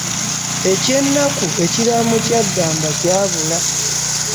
Eky’ennaku ekiraamo kya Ddamba kyabula.